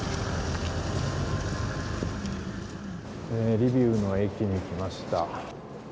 リビウの駅に来ました。